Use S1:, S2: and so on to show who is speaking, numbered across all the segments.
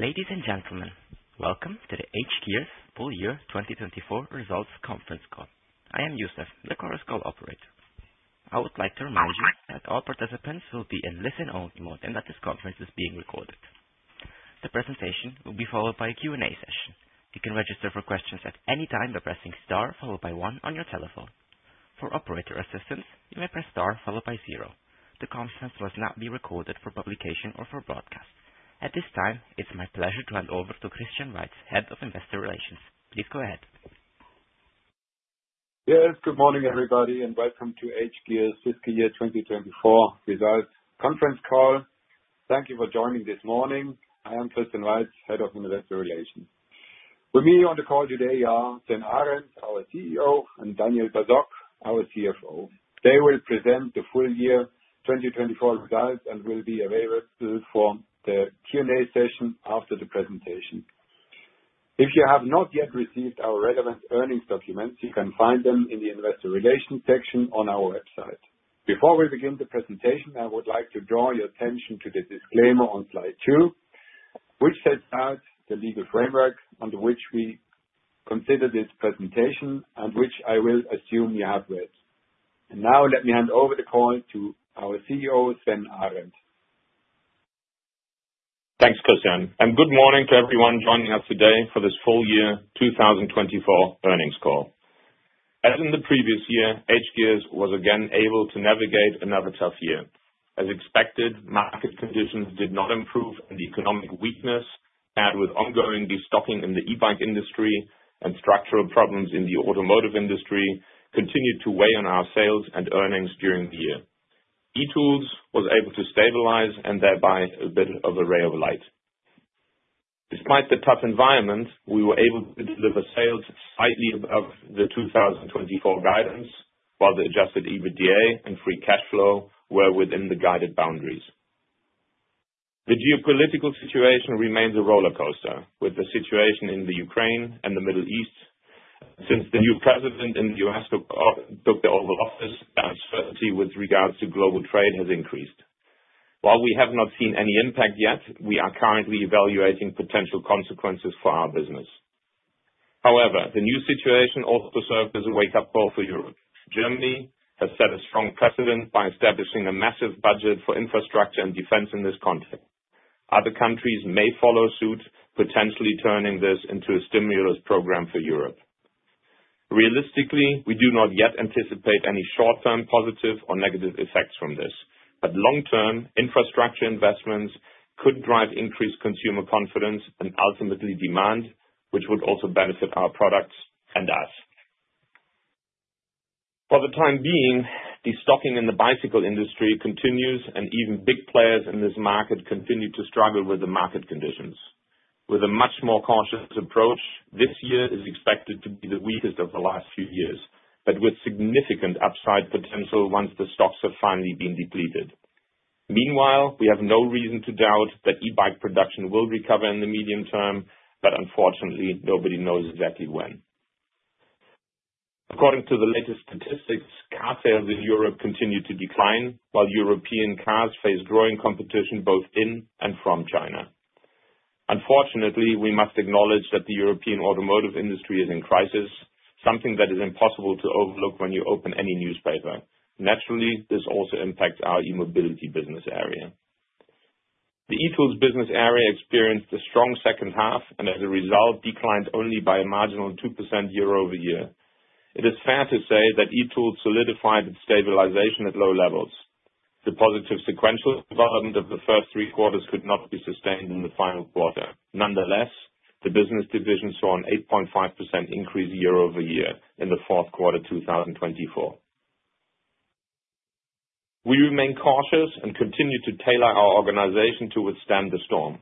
S1: Ladies and gentlemen, welcome to the hGears Full Year 2024 Results Conference Call. I am Yusuf, the Chorus Call operator. I would like to remind you that all participants will be in listen-only mode and that this conference is being recorded. The presentation will be followed by a Q&A session. You can register for questions at any time by pressing star followed by one on your telephone. For operator assistance, you may press star followed by zero. The conference will not be recorded for publication or for broadcast. At this time, it's my pleasure to hand over to Christian Weiz, Head of Investor Relations. Please go ahead.
S2: Yes, good morning everybody and welcome to hGears Fiscal Year 2024 Results Conference Call. Thank you for joining this morning. I am Christian Weiz, Head of Investor Relations. With me on the call today are Sven Arend, our CEO, and Daniel Basok, our CFO. They will present the full year 2024 results and will be available for the Q&A session after the presentation. If you have not yet received our relevant earnings documents, you can find them in the Investor Relations section on our website. Before we begin the presentation, I would like to draw your attention to the disclaimer on slide two, which sets out the legal framework under which we consider this presentation and which I will assume you have read. Now let me hand over the call to our CEO, Sven Arend.
S3: Thanks, Christian. Good morning to everyone joining us today for this full year 2024 earnings call. As in the previous year, hGears was again able to navigate another tough year. As expected, market conditions did not improve and the economic weakness, paired with ongoing restocking in the e-Bike industry and structural problems in the automotive industry, continued to weigh on our sales and earnings during the year. E-Tools was able to stabilize and thereby a bit of a ray of light. Despite the tough environment, we were able to deliver sales slightly above the 2024 guidance while the Adjusted EBITDA and free cash flow were within the guided boundaries. The geopolitical situation remains a roller coaster with the situation in Ukraine and the Middle East. Since the new president in the U.S. took the Oval Office, the uncertainty with regards to global trade has increased. While we have not seen any impact yet, we are currently evaluating potential consequences for our business. However, the new situation also served as a wake-up call for Europe. Germany has set a strong precedent by establishing a massive budget for infrastructure and defense in this context. Other countries may follow suit, potentially turning this into a stimulus program for Europe. Realistically, we do not yet anticipate any short-term positive or negative effects from this, but long-term infrastructure investments could drive increased consumer confidence and ultimately demand, which would also benefit our products and us. For the time being, the stocking in the bicycle industry continues and even big players in this market continue to struggle with the market conditions. With a much more cautious approach, this year is expected to be the weakest of the last few years, but with significant upside potential once the stocks have finally been depleted. Meanwhile, we have no reason to doubt that e-Bike production will recover in the medium term, but unfortunately, nobody knows exactly when. According to the latest statistics, car sales in Europe continue to decline while European cars face growing competition both in and from China. Unfortunately, we must acknowledge that the European automotive industry is in crisis, something that is impossible to overlook when you open any newspaper. Naturally, this also impacts our e-mobility business area. The e-Tools business area experienced a strong second half and as a result declined only by a marginal 2% year-over-year. It is fair to say that e-Tools solidified its stabilization at low levels. The positive sequential development of the first three quarters could not be sustained in the final quarter. Nonetheless, the business division saw an 8.5% increase year-over-year in the fourth quarter 2024. We remain cautious and continue to tailor our organization to withstand the storm.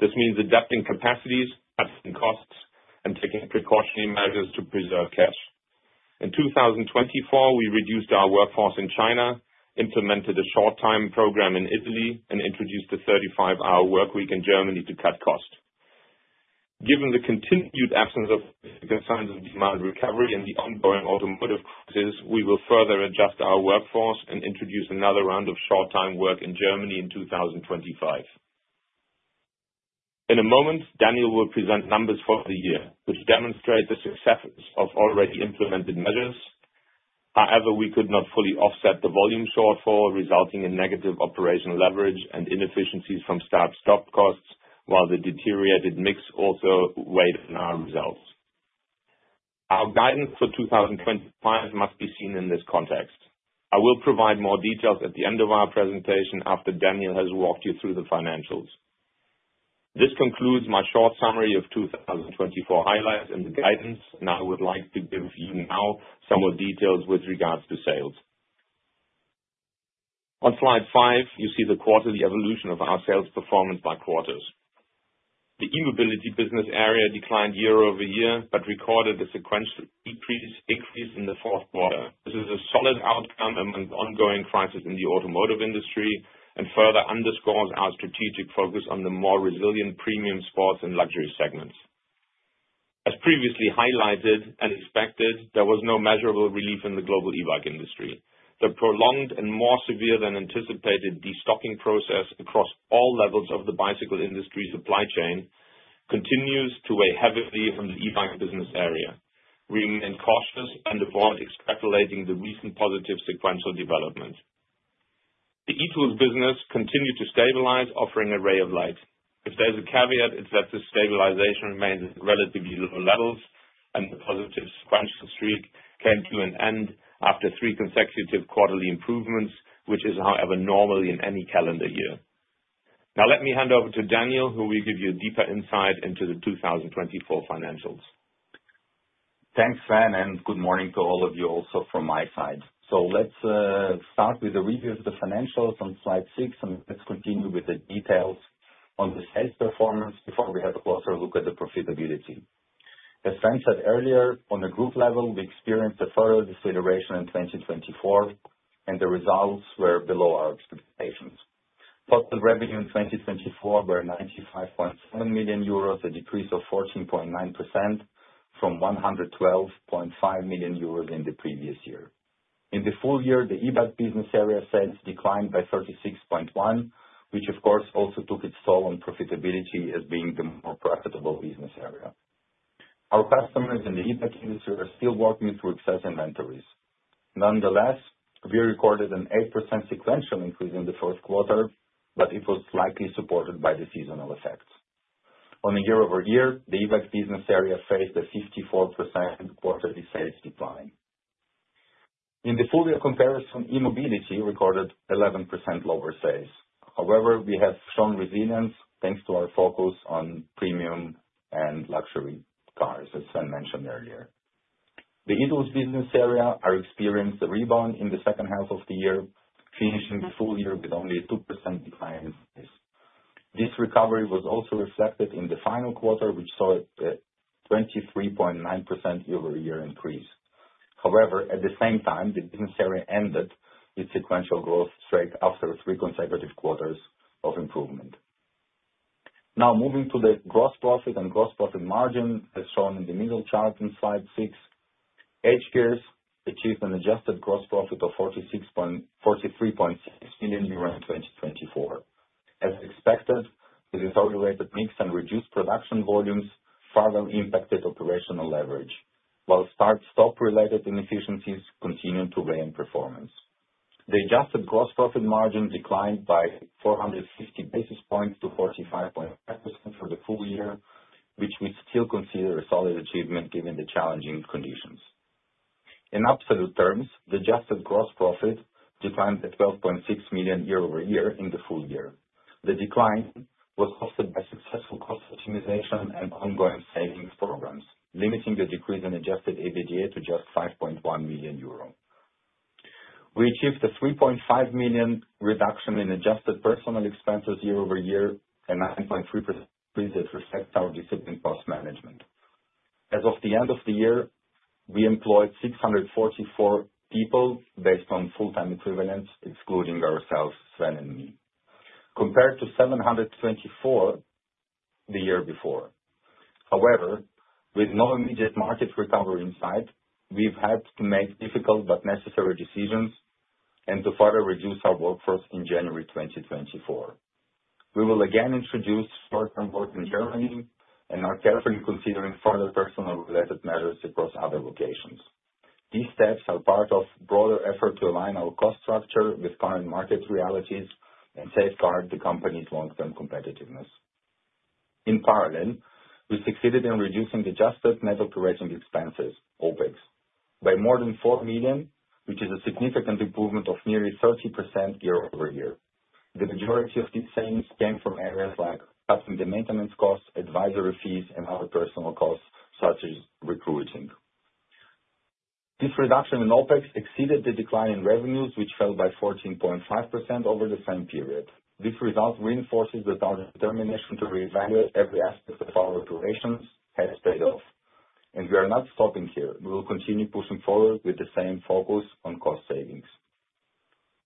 S3: This means adapting capacities, cutting costs, and taking precautionary measures to preserve cash. In 2024, we reduced our workforce in China, implemented a short-time program in Italy, and introduced a 35-hour workweek in Germany to cut costs. Given the continued absence of significant signs of demand recovery and the ongoing automotive crisis, we will further adjust our workforce and introduce another round of short-time work in Germany in 2025. In a moment, Daniel will present numbers for the year, which demonstrate the success of already implemented measures. However, we could not fully offset the volume shortfall, resulting in negative operational leverage and inefficiencies from start-stop costs, while the deteriorated mix also weighed on our results. Our guidance for 2025 must be seen in this context. I will provide more details at the end of our presentation after Daniel has walked you through the financials. This concludes my short summary of 2024 highlights and the guidance, and I would like to give you now some more details with regards to sales. On slide five, you see the quarterly evolution of our sales performance by quarters. The e-mobility business area declined-year over-year but recorded a sequential decrease in the fourth quarter. This is a solid outcome among ongoing crises in the automotive industry and further underscores our strategic focus on the more resilient premium sports and luxury segments. As previously highlighted and expected, there was no measurable relief in the global e-Bike industry. The prolonged and more severe than anticipated destocking process across all levels of the bicycle industry supply chain continues to weigh heavily on the e-Bike business area. We remain cautious and avoid extrapolating the recent positive sequential development. The e-Tools business continued to stabilize, offering a ray of light. If there's a caveat, it's that this stabilization remains at relatively low levels and the positive sequential streak came to an end after three consecutive quarterly improvements, which is, however, normal in any calendar year. Now let me hand over to Daniel, who will give you a deeper insight into the 2024 financials.
S4: Thanks, Sven, and good morning to all of you also from my side. Let's start with a review of the financials on slide six, and let's continue with the details on the sales performance before we have a closer look at the profitability. As Sven said earlier, on the group level, we experienced a further deceleration in 2024, and the results were below our expectations. Total revenue in 2024 were 95.7 million euros, a decrease of 14.9% from 112.5 million euros in the previous year. In the full year, the e-Bike business area sales declined by 36.1%, which, of course, also took its toll on profitability as being the more profitable business area. Our customers in the e-Bike industry are still working to access inventories. Nonetheless, we recorded an 8% sequential increase in the fourth quarter, but it was likely supported by the seasonal effects. On a year-over-year, the e-Bike business area faced a 54% quarterly sales decline. In the full year comparison, e-mobility recorded 11% lower sales. However, we have shown resilience thanks to our focus on premium and luxury cars, as Sven mentioned earlier. The e-Tools business area experienced a rebound in the second half of the year, finishing the full year with only a 2% decline in sales. This recovery was also reflected in the final quarter, which saw a 23.9% year-over-year increase. However, at the same time, the business area ended its sequential growth streak after three consecutive quarters of improvement. Now moving to the gross profit and gross profit margin, as shown in the middle chart on slide six, hGears achieved an adjusted gross profit of 43.6 million euro in 2024. As expected, the deteriorated mix and reduced production volumes further impacted operational leverage, while start-stop-related inefficiencies continued to weigh on performance. The adjusted gross profit margin declined by 450 basis points to 45.5% for the full year, which we still consider a solid achievement given the challenging conditions. In absolute terms, the adjusted gross profit declined by 12.6 million year-over-year in the full year. The decline was offset by successful cost optimization and ongoing savings programs, limiting the decrease in Adjusted EBITDA to just 5.1 million euro. We achieved a 3.5 million reduction in adjusted personnel expenses year-over-year and a 9.3% increase that reflects our disciplined cost management. As of the end of the year, we employed 644 people based on full-time equivalents, excluding ourselves, Sven and me, compared to 724 the year before. However, with no immediate market recovery in sight, we have had to make difficult but necessary decisions and to further reduce our workforce in January 2024. We will again introduce short-time work in Germany and are carefully considering further personnel-related measures across other locations. These steps are part of a broader effort to align our cost structure with current market realities and safeguard the company's long-term competitiveness. In parallel, we succeeded in reducing adjusted net operating expenses, OpEx, by more than 4 million, which is a significant improvement of nearly 30% year-over-year. The majority of these savings came from areas like cutting the maintenance costs, advisory fees, and other personnel costs such as recruiting. This reduction in OpEx exceeded the decline in revenues, which fell by 14.5% over the same period. This result reinforces that our determination to reevaluate every aspect of our operations has paid off. We are not stopping here. We will continue pushing forward with the same focus on cost savings.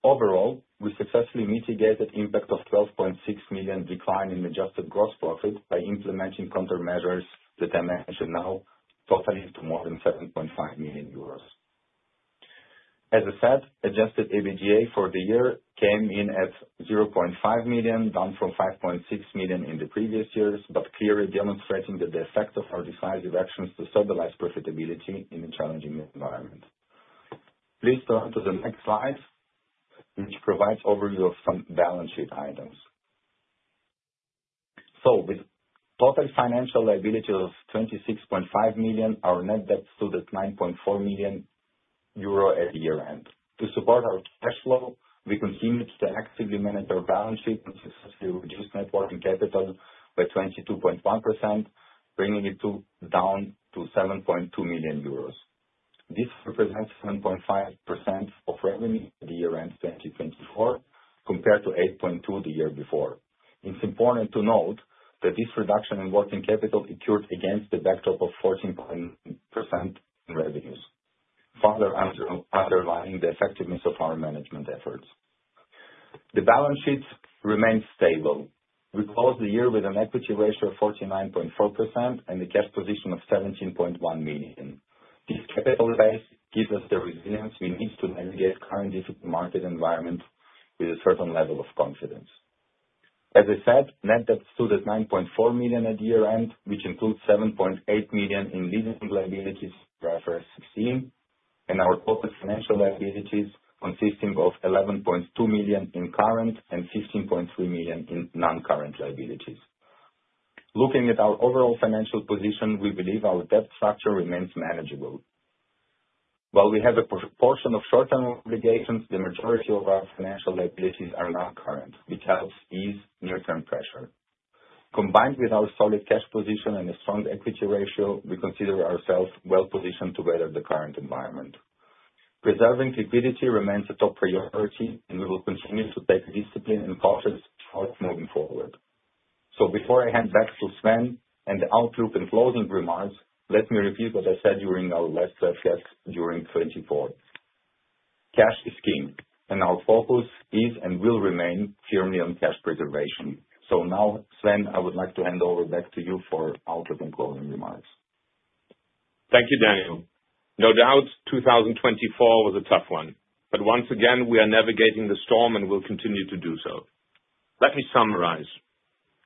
S4: Overall, we successfully mitigated the impact of a 12.6 million decline in adjusted gross profit by implementing countermeasures that I mentioned now, totaling to more than 7.5 million euros. As I said, Adjusted EBITDA for the year came in at 0.5 million, down from 5.6 million in the previous years, but clearly demonstrating the effect of our decisive actions to stabilize profitability in a challenging environment. Please turn to the next slide, which provides an overview of some balance sheet items. With total financial liability of 26.5 million, our net debt stood at 9.4 million euro at year-end. To support our cash flow, we continued to actively manage our balance sheet and successfully reduced working capital by 22.1%, bringing it down to 7.2 million euros. This represents 7.5% of revenue at year-end 2024 compared to 8.2% the year before. It's important to note that this reduction in working capital occurred against the backdrop of 14.9% revenues, further underlining the effectiveness of our management efforts. The balance sheet remained stable. We closed the year with an equity ratio of 49.4% and a cash position of 17.1 million. This capital base gives us the resilience we need to navigate the current difficult market environment with a certain level of confidence. As I said, net debt stood at 9.4 million at year-end, which includes 7.8 million in lease liabilities for IFRS 16 and our total financial liabilities consisting of 11.2 million in current and 15.3 million in non-current liabilities. Looking at our overall financial position, we believe our debt structure remains manageable. While we have a portion of short-term obligations, the majority of our financial liabilities are non-current, which helps ease near-term pressure. Combined with our solid cash position and a strong equity ratio, we consider ourselves well-positioned to weather the current environment. Preserving liquidity remains a top priority, and we will continue to take discipline and caution as we move forward. Before I hand back to Sven and the outlook and closing remarks, let me repeat what I said during our last webcast during 2024. Cash is king, and our focus is and will remain firmly on cash preservation. Now, Sven, I would like to hand over back to you for outlook and closing remarks.
S3: Thank you, Daniel. No doubt, 2024 was a tough one, but once again, we are navigating the storm and will continue to do so. Let me summarize.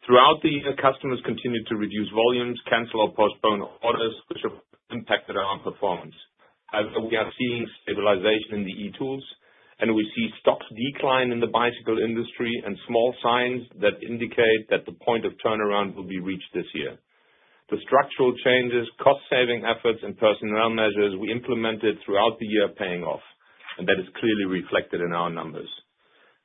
S3: Throughout the year, customers continued to reduce volumes, cancel or postpone orders, which have impacted our performance. However, we are seeing stabilization in the e-Tools, and we see stocks decline in the bicycle industry and small signs that indicate that the point of turnaround will be reached this year. The structural changes, cost-saving efforts, and personnel measures we implemented throughout the year are paying off, and that is clearly reflected in our numbers.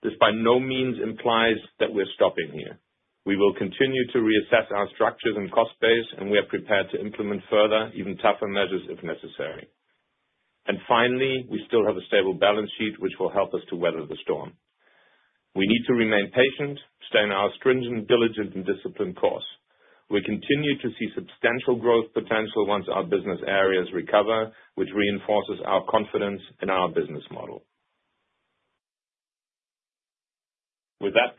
S3: This by no means implies that we're stopping here. We will continue to reassess our structures and cost base, and we are prepared to implement further, even tougher measures if necessary. Finally, we still have a stable balance sheet, which will help us to weather the storm. We need to remain patient, stay on our stringent, diligent, and disciplined course. We continue to see substantial growth potential once our business areas recover, which reinforces our confidence in our business model. With that,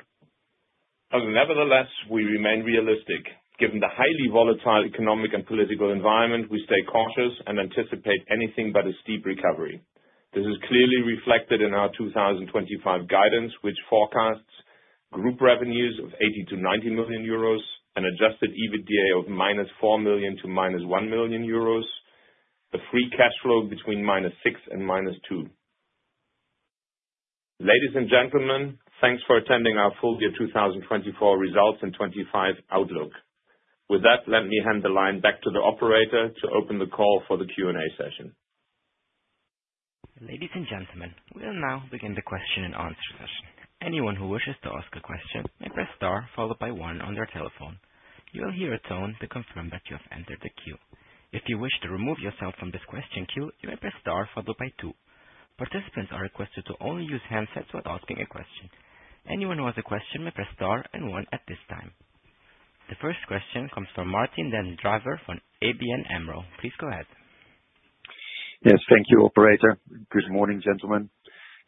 S3: however, nevertheless, we remain realistic. Given the highly volatile economic and political environment, we stay cautious and anticipate anything but a steep recovery. This is clearly reflected in our 2025 guidance, which forecasts group revenues of 80 million-90 million euros and Adjusted EBITDA of -4 million--1 million euros and free cash flow between -6 million and -2 million. Ladies and gentlemen, thanks for attending our full year 2024 results and 2025 outlook. With that, let me hand the line back to the operator to open the call for the Q&A session.
S1: Ladies and gentlemen, we will now begin the question and answer session. Anyone who wishes to ask a question may press star followed by one on their telephone. You will hear a tone to confirm that you have entered the queue. If you wish to remove yourself from this question queue, you may press star followed by two. Participants are requested to only use handsets when asking a question. Anyone who has a question may press star and one at this time. The first question comes from Martijn den Drijver from ABN AMRO. Please go ahead.
S5: Yes, thank you, Operator. Good morning, gentlemen.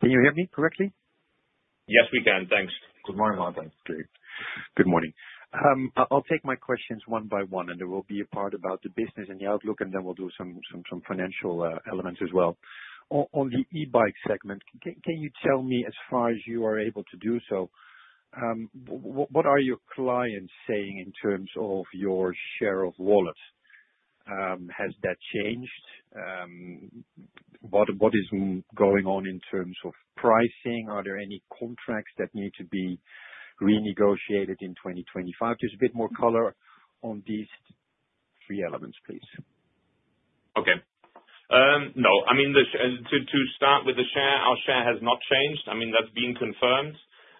S5: Can you hear me correctly?
S3: Yes, we can. Thanks.
S4: Good morning, Martin.
S5: Good morning. I'll take my questions one by one, and there will be a part about the business and the outlook, and then we'll do some financial elements as well. On the e-Bike segment, can you tell me, as far as you are able to do so, what are your clients saying in terms of your share of wallets? Has that changed? What is going on in terms of pricing? Are there any contracts that need to be renegotiated in 2025? Just a bit more color on these three elements, please.
S3: Okay. No, I mean, to start with, our share has not changed. I mean, that's been confirmed.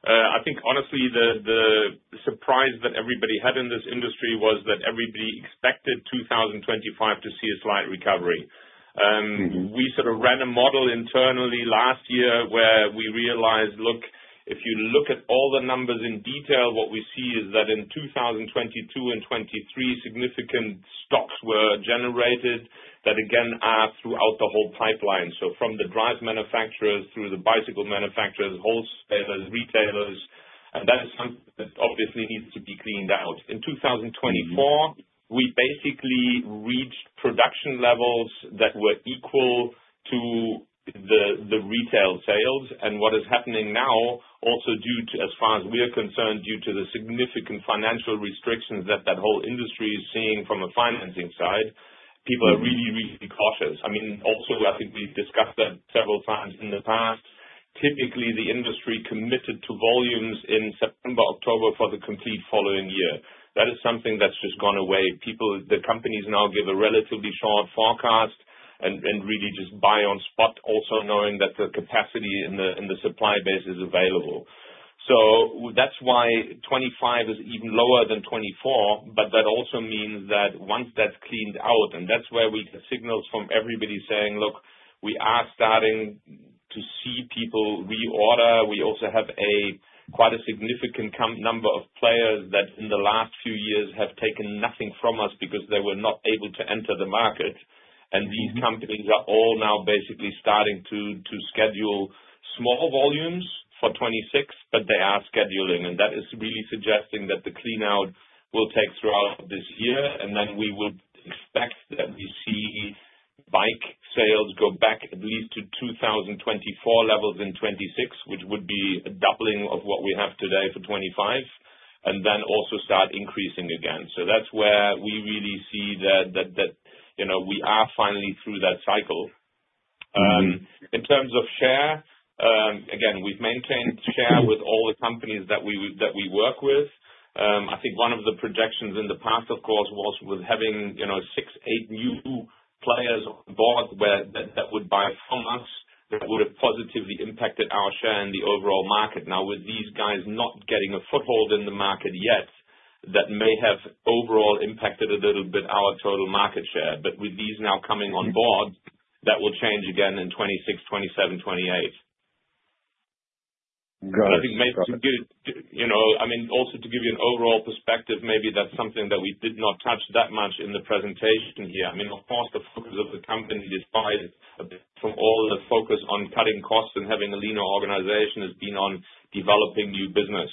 S3: I think, honestly, the surprise that everybody had in this industry was that everybody expected 2025 to see a slight recovery. We sort of ran a model internally last year where we realized, look, if you look at all the numbers in detail, what we see is that in 2022 and 2023, significant stocks were generated that, again, are throughout the whole pipeline. So from the drive manufacturers through the bicycle manufacturers, wholesalers, retailers, and that is something that obviously needs to be cleaned out. In 2024, we basically reached production levels that were equal to the retail sales. What is happening now, also due to, as far as we are concerned, due to the significant financial restrictions that that whole industry is seeing from a financing side, people are really, really cautious. I mean, also, I think we have discussed that several times in the past. Typically, the industry committed to volumes in September, October for the complete following year. That is something that has just gone away. The companies now give a relatively short forecast and really just buy on spot, also knowing that the capacity in the supply base is available. That is why 2025 is even lower than 2024, but that also means that once that is cleaned out, and that is where we get signals from everybody saying, look, we are starting to see people reorder. We also have quite a significant number of players that in the last few years have taken nothing from us because they were not able to enter the market. These companies are all now basically starting to schedule small volumes for 2026, but they are scheduling. That is really suggesting that the clean-out will take throughout this year. We would expect that we see bike sales go back at least to 2024 levels in 2026, which would be a doubling of what we have today for 2025, and also start increasing again. That is where we really see that we are finally through that cycle. In terms of share, again, we have maintained share with all the companies that we work with. I think one of the projections in the past, of course, was with having six, eight new players on board that would buy from us that would have positively impacted our share in the overall market. Now, with these guys not getting a foothold in the market yet, that may have overall impacted a little bit our total market share. With these now coming on board, that will change again in 2026, 2027, 2028.
S5: Got it.
S3: I think maybe to give you, I mean, also to give you an overall perspective, maybe that's something that we did not touch that much in the presentation here. I mean, of course, the focus of the company, despite from all the focus on cutting costs and having a leaner organization, has been on developing new business.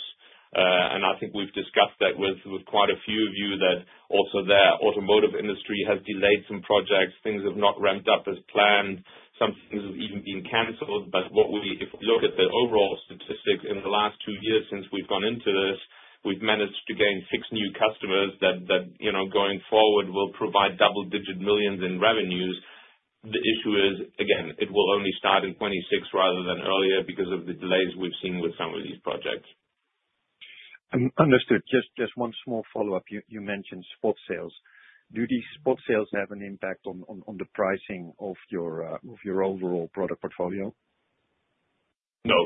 S3: I think we've discussed that with quite a few of you that also the automotive industry has delayed some projects. Things have not ramped up as planned. Some things have even been canceled. If we look at the overall statistics in the last two years since we've gone into this, we've managed to gain six new customers that going forward will provide double-digit millions in revenues. The issue is, again, it will only start in 2026 rather than earlier because of the delays we've seen with some of these projects.
S5: Understood. Just one small follow-up. You mentioned sports sales. Do these sports sales have an impact on the pricing of your overall product portfolio?
S3: No.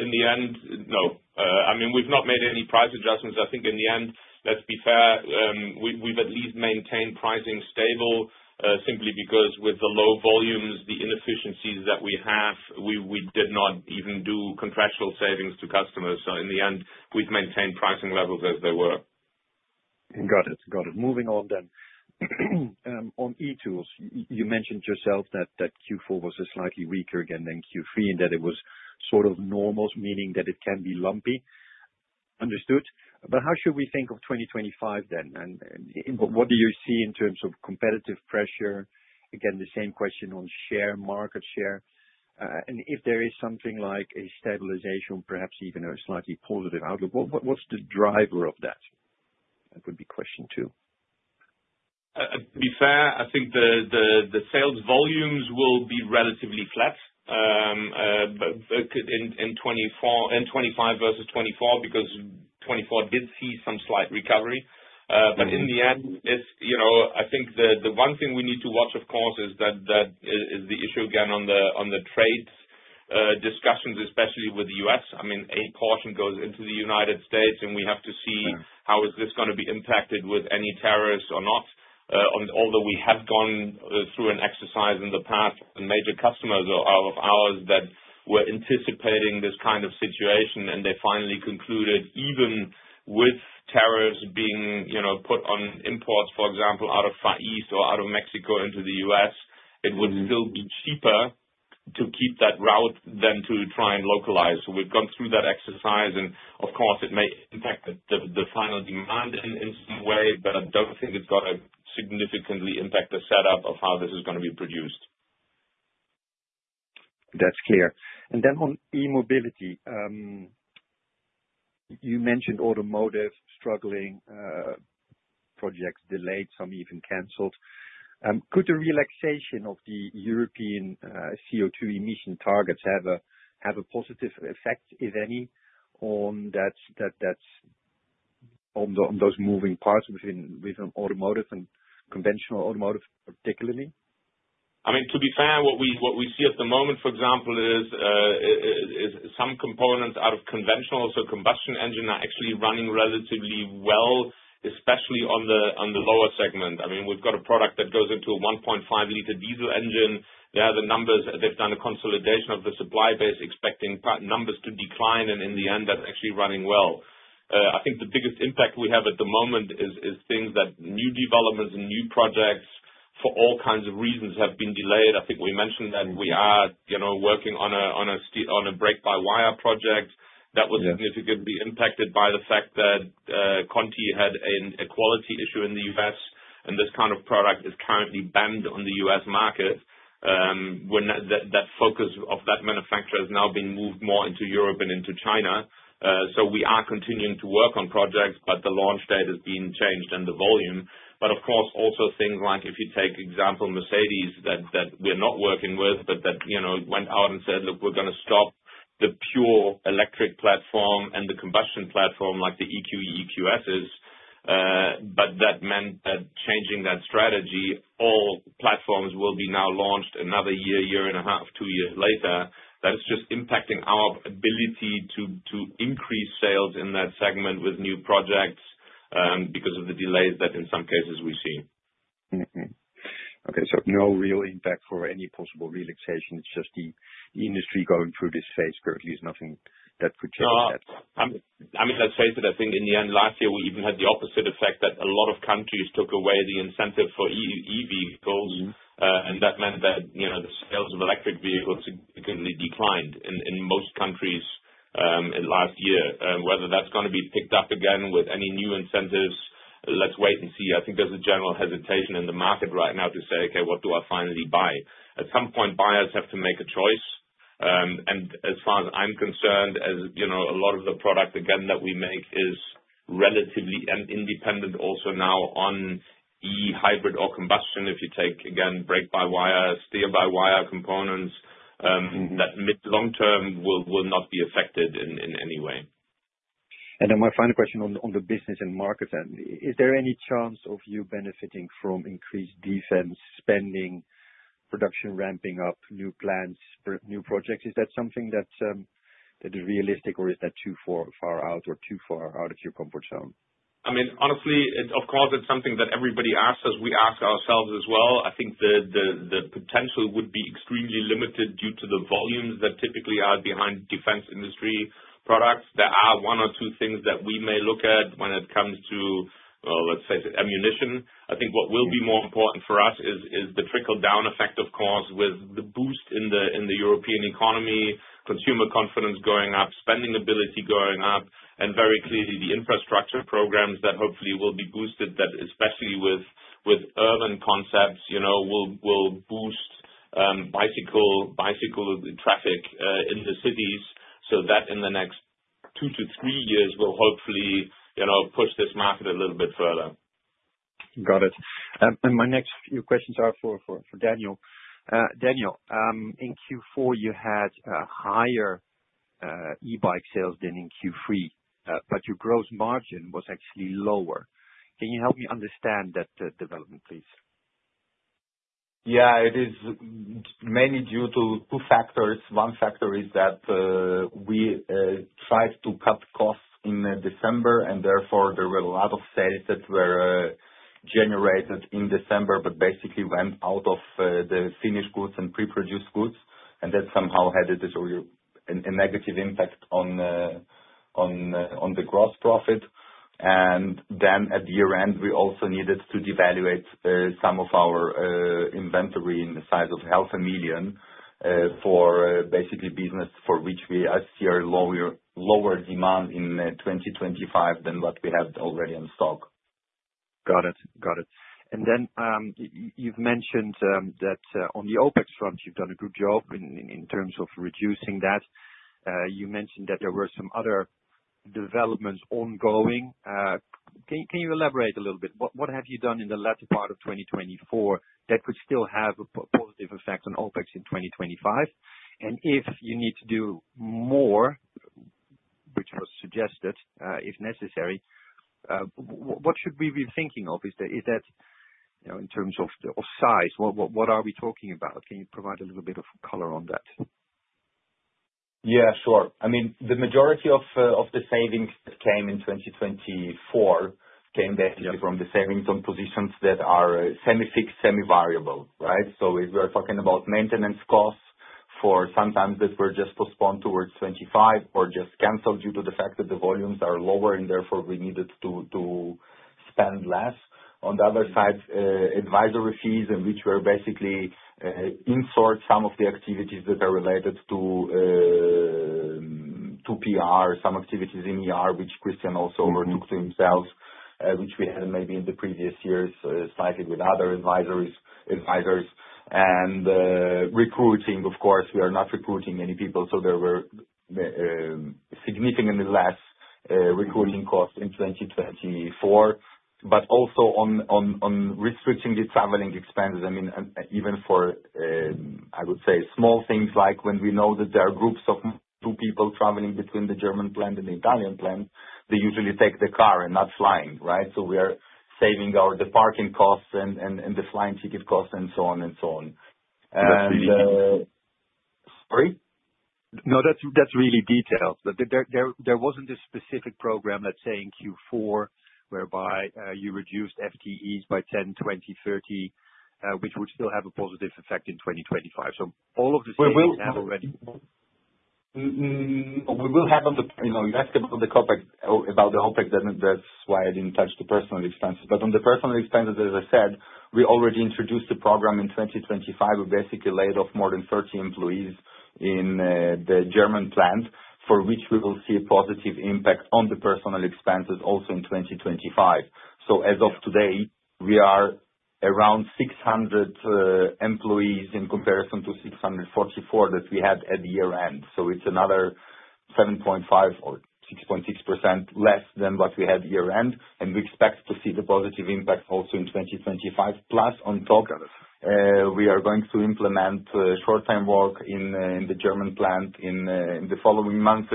S3: In the end, no. I mean, we've not made any price adjustments. I think in the end, let's be fair, we've at least maintained pricing stable simply because with the low volumes, the inefficiencies that we have, we did not even do contractual savings to customers. In the end, we've maintained pricing levels as they were.
S5: Got it. Got it. Moving on then. On e-Tools, you mentioned yourself that Q4 was slightly weaker again than Q3 and that it was sort of normal, meaning that it can be lumpy. Understood. How should we think of 2025 then? What do you see in terms of competitive pressure? Again, the same question on share, market share. If there is something like a stabilization, perhaps even a slightly positive outlook, what is the driver of that? That would be question two.
S3: To be fair, I think the sales volumes will be relatively flat in 2025 versus 2024 because 2024 did see some slight recovery. In the end, I think the one thing we need to watch, of course, is the issue again on the trade discussions, especially with the U.S. I mean, a portion goes into the United States, and we have to see how is this going to be impacted with any tariffs or not. Although we have gone through an exercise in the past, major customers of ours that were anticipating this kind of situation, and they finally concluded even with tariffs being put on imports, for example, out of Far East or out of Mexico into the U.S., it would still be cheaper to keep that route than to try and localize. We've gone through that exercise, and of course, it may impact the final demand in some way, but I don't think it's going to significantly impact the setup of how this is going to be produced.
S5: That's clear. On e-mobility, you mentioned automotive struggling, projects delayed, some even canceled. Could the relaxation of the European CO2 emission targets have a positive effect, if any, on those moving parts within automotive and conventional automotive particularly?
S3: I mean, to be fair, what we see at the moment, for example, is some components out of conventional, so combustion engine, are actually running relatively well, especially on the lower segment. I mean, we've got a product that goes into a 1.5-liter diesel engine. They have the numbers. They've done a consolidation of the supply base, expecting numbers to decline, and in the end, that's actually running well. I think the biggest impact we have at the moment is things that new developments and new projects for all kinds of reasons have been delayed. I think we mentioned that we are working on a brake-by-wire project that was significantly impacted by the fact that Continental had a quality issue in the U.S., and this kind of product is currently banned on the U.S. market. That focus of that manufacturer has now been moved more into Europe and into China. We are continuing to work on projects, but the launch date has been changed and the volume. Of course, also things like if you take example, Mercedes, that we are not working with, but that went out and said, "Look, we are going to stop the pure electric platform and the combustion platform like the EQE, EQS." That meant that changing that strategy, all platforms will be now launched another year, year and a half, two years later. That is just impacting our ability to increase sales in that segment with new projects because of the delays that in some cases we see.
S5: Okay. No real impact for any possible relaxation. It's just the industry going through this phase currently, nothing that could change that.
S3: I mean, let's face it, I think in the end, last year, we even had the opposite effect that a lot of countries took away the incentive for EV goals. That meant that the sales of electric vehicles significantly declined in most countries last year. Whether that's going to be picked up again with any new incentives, let's wait and see. I think there's a general hesitation in the market right now to say, "Okay, what do I finally buy?" At some point, buyers have to make a choice. As far as I'm concerned, a lot of the product, again, that we make is relatively independent also now on e-hybrid or combustion. If you take, again, brake-by-wire, steer-by-wire components, that mid-long term will not be affected in any way.
S5: My final question on the business and market then. Is there any chance of you benefiting from increased defense spending, production ramping up, new plants, new projects? Is that something that is realistic, or is that too far out or too far out of your comfort zone?
S3: I mean, honestly, of course, it's something that everybody asks us. We ask ourselves as well. I think the potential would be extremely limited due to the volumes that typically are behind defense industry products. There are one or two things that we may look at when it comes to, like, ammunition. I think what will be more important for us is the trickle-down effect, of course, with the boost in the European economy, consumer confidence going up, spending ability going up, and very clearly the infrastructure programs that hopefully will be boosted, that especially with urban concepts will boost bicycle traffic in the cities. That in the next two to three years will hopefully push this market a little bit further.
S5: Got it. My next few questions are for Daniel. Daniel, in Q4, you had higher e-Bike sales than in Q3, but your gross margin was actually lower. Can you help me understand that development, please?
S4: Yeah. It is mainly due to two factors. One factor is that we tried to cut costs in December, and therefore there were a lot of sales that were generated in December, but basically went out of the finished goods and pre-produced goods. That somehow had a negative impact on the gross profit. At year-end, we also needed to devaluate some of our inventory in the size of 500,000 for basically business for which we see a lower demand in 2025 than what we have already in stock.
S5: Got it. Got it. You mentioned that on the OpEx front, you've done a good job in terms of reducing that. You mentioned that there were some other developments ongoing. Can you elaborate a little bit? What have you done in the latter part of 2024 that could still have a positive effect on OpEx in 2025? If you need to do more, which was suggested if necessary, what should we be thinking of? Is that in terms of size? What are we talking about? Can you provide a little bit of color on that?
S4: Yeah, sure. I mean, the majority of the savings that came in 2024 came basically from the savings on positions that are semi-fixed, semi-variable, right? We are talking about maintenance costs for sometimes that were just postponed towards 2025 or just canceled due to the fact that the volumes are lower and therefore we needed to spend less. On the other side, advisory fees in which were basically in sort some of the activities that are related to PR, some activities in which Christian also overtook to himself, which we had maybe in the previous years slightly with other advisories. Recruiting, of course, we are not recruiting any people, so there were significantly less recruiting costs in 2024. Also on restricting the traveling expenses, I mean, even for, I would say, small things like when we know that there are groups of two people traveling between the German plant and the Italian plant, they usually take the car and not flying, right? We are saving the parking costs and the flying ticket costs and so on and so on.
S5: Sorry?
S4: No, that's really detailed. There wasn't a specific program, let's say, in Q4 whereby you reduced FTEs by 10, 20, 30, which would still have a positive effect in 2025. All of the savings have already. We will have on the you asked about the OpEx, that's why I didn't touch the personal expenses. On the personal expenses, as I said, we already introduced the program in 2025. We basically laid off more than 30 employees in the German plant for which we will see a positive impact on the personal expenses also in 2025. As of today, we are around 600 employees in comparison to 644 that we had at year-end. It's another 7.5% or 6.6% less than what we had year-end. We expect to see the positive impact also in 2025. Plus, on top, we are going to implement short-time work in the German plant in the following months.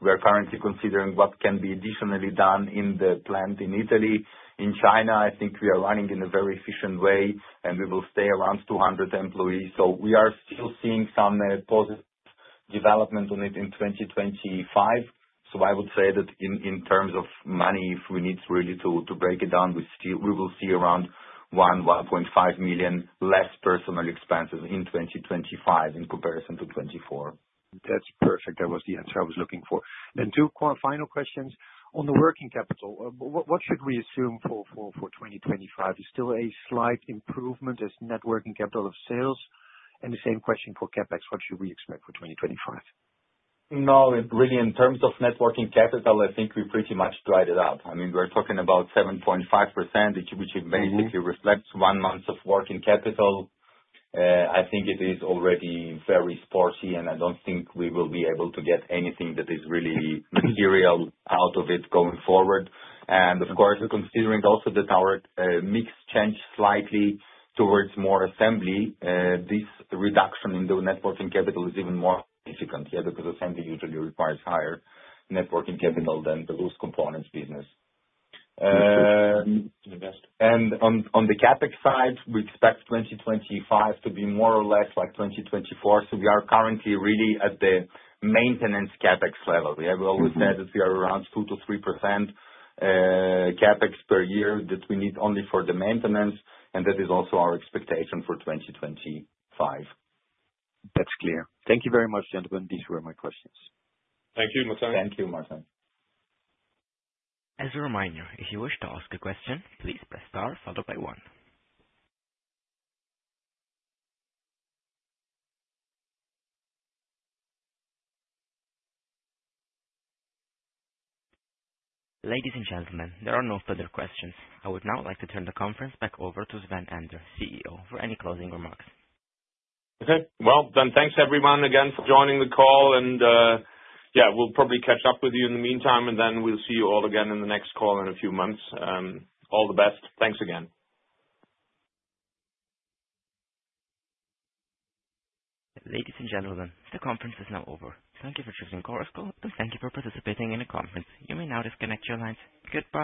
S4: We are currently considering what can be additionally done in the plant in Italy. In China, I think we are running in a very efficient way, and we will stay around 200 employees. We are still seeing some positive development on it in 2025. I would say that in terms of money, if we need really to break it down, we will see around 1 million-1.5 million less personal expenses in 2025 in comparison to 2024.
S5: That's perfect. That was the answer I was looking for. Two final questions. On the working capital, what should we assume for 2025? Is still a slight improvement as net working capital of sales? The same question for CapEx, what should we expect for 2025?
S4: No, really, in terms of working capital, I think we pretty much dried it out. I mean, we're talking about 7.5%, which basically reflects one month of working capital. I think it is already very sporty, and I don't think we will be able to get anything that is really material out of it going forward. Of course, considering also that our mix changed slightly towards more assembly, this reduction in the working capital is even more significant, yeah, because assembly usually requires higher working capital than the loose components business. On the CapEx side, we expect 2025 to be more or less like 2024. We are currently really at the maintenance CapEx level. We always said that we are around 2%-3% CapEx per year that we need only for the maintenance, and that is also our expectation for 2025.
S5: That's clear. Thank you very much, gentlemen. These were my questions.
S3: Thank you, Martin.
S4: Thank you, Martin.
S1: As a reminder, if you wish to ask a question, please press star followed by one. Ladies and gentlemen, there are no further questions. I would now like to turn the conference back over to Sven Arend, CEO, for any closing remarks.
S3: Okay. Thanks everyone again for joining the call. Yeah, we'll probably catch up with you in the meantime, and then we'll see you all again in the next call in a few months. All the best. Thanks again.
S1: Ladies and gentlemen, the conference is now over. Thank you for choosing Chorus Call, and thank you for participating in the conference. You may now disconnect your lines. Good.